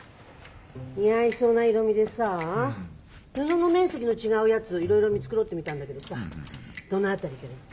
似合いそうな色味でさあ布の面積の違うやついろいろ見繕ってみたんだけどさあどの辺りからいく？